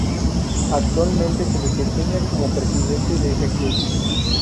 Actualmente se desempeña como presidente de ese club.